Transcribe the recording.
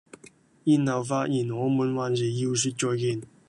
然後發現我們還是要說再見